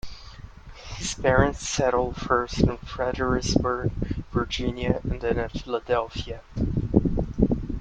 His parents settled first in Fredericksburg, Virginia, and then at Philadelphia.